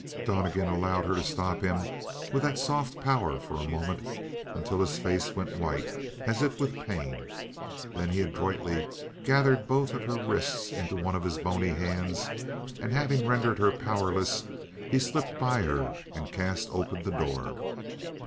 Donnegan allowed her to stop him with that soft power for a moment, until his face went white as if with pain. Then he adroitly gathered both her wrists into one of his bony hands; and having rendered her powerless, he slipped by her and cast open the door.